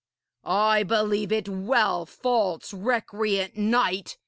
'I believe it well, false, recreant knight!'